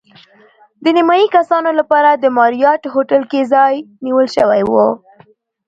د نیمایي کسانو لپاره د ماریاټ هوټل کې ځای نیول شوی و.